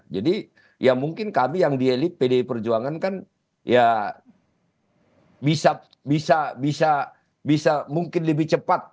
jadi ya mungkin kami yang dielit pdi perjuangan kan ya bisa mungkin lebih cepat